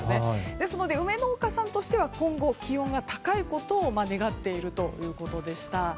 ですので梅農家さんとしては今後、気温が高いことを願っているということでした。